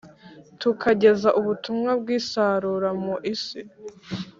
tukageza ubutumwa bw’isarura mu isi.